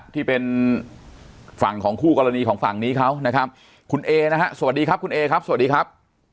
ที่เป็นฝั่งของคู่กรณีของฝั่งนี้เขานะครับคุณเอนะฮะสวัสดีครับคุณเอครับสวัสดีครับ